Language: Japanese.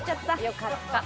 よかった。